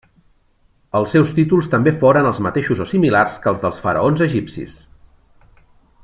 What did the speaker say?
Els seus títols també foren els mateixos o similars que els dels faraons egipcis.